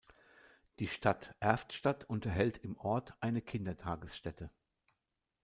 Die Stadt Erftstadt unterhält im Ort eine Kindertagesstätte.